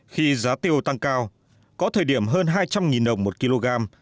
khi giá tiêu tăng cao có thời điểm hơn hai trăm linh đồng một kg